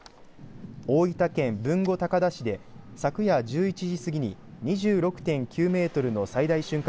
大分県豊後高田市で昨夜１１時過ぎに２６．９メートルの最大瞬間